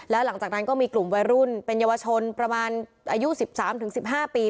แล้วหลังจากนั้นก็มีกลุ่มวัยรุ่นเป็นเยาวชนประมาณอายุสิบสามถึงสิบห้าปี